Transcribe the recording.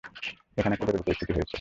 এখানে একটা জরুরি পরিস্থিতি হয়েছে।